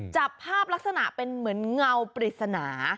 จับภาพลักษณะเป็นเหมือนเงาปริศนา